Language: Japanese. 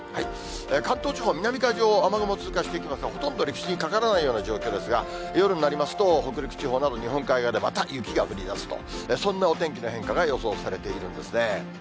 関東地方、南海上を雨雲通過していきますが、ほとんど陸地にかからないような状況ですが、夜になりますと、北陸地方など、日本海側でまた雪が降りだすと、そんなお天気の変化が予想されているんですね。